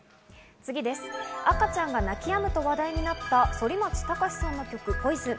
次、赤ちゃんが泣き止むと話題になった反町隆史さんの曲『ＰＯＩＳＯＮ』。